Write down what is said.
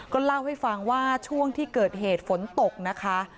ก็เล่าให้ฟังว่าช่วงที่เกิดเหตุฝนตกนะคะ